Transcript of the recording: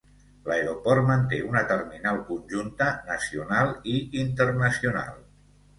L'aeroport manté una terminal conjunta nacional i internacional.